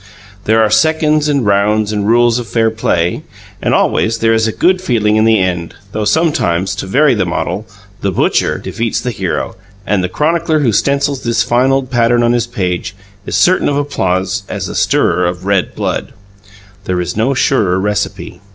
There are seconds and rounds and rules of fair play, and always there is great good feeling in the end though sometimes, to vary the model, "the Butcher" defeats the hero and the chronicler who stencils this fine old pattern on his page is certain of applause as the stirrer of "red blood." There is no surer recipe.